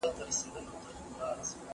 کتابتون له کتابتون ښه دی!!